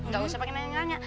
gak usah pake nanya nanya